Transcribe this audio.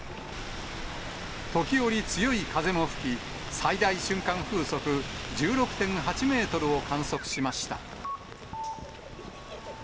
時折、強い風も吹き、最大瞬間風速１６．８メートルを観測しました。